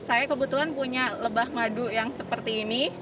saya kebetulan punya lebah madu yang seperti ini